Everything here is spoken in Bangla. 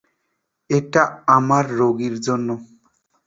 এটা আমার রোগীর জন্য.